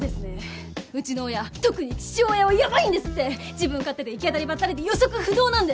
自分勝手で行き当たりばったりで予測不能なんで！